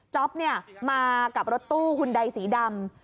จ๊อปเนี่ยมากับรถตู้หุ่นไดสีดำ